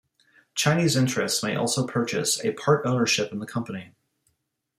Chinese interests may also purchase a part-ownership in the company.